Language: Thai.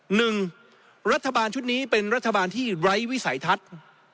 หนึ่งรัฐบาลชุดนี้เป็นรัฐบาลที่ไร้วิสัยทัศน์